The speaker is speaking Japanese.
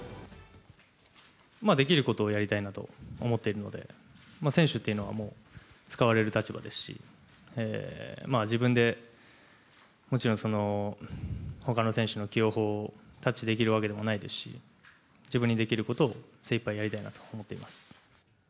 できることをやりたいなと思っているので、選手っていうのはもう、使われる立場ですし、自分でもちろん、ほかの選手の起用法をタッチできるわけでもないですし、自分にできることを精いっぱいやりたいなと思っています。